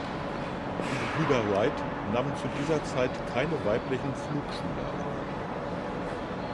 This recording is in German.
Die Gebrüder Wright nahmen zu dieser Zeit keine weiblichen Flugschüler an.